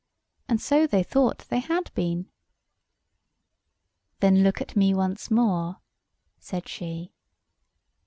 And so they thought they had been. "Then look at me once more," said she.